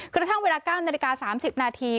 กระทั่งเวลา๙นาฬิกา๓๐นาที